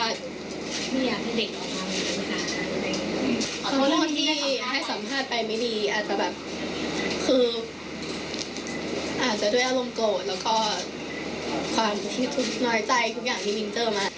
ไม่อยากให้เด็กต่อไป